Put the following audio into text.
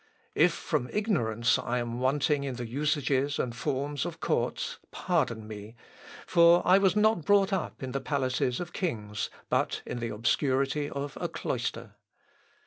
If from ignorance I am wanting in the usages and forms of courts, pardon me; for I was not brought up in the palaces of kings, but in the obscurity of a cloister.